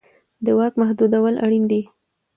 د واک محدودول اړین دي